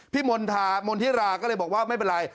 พี่มนท์ถ่ามนทฤกษ์ก็เลยบอกว่าไม่เป็นไร